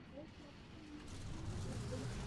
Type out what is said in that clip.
خاوره د افغانانو د ګټورتیا برخه ده.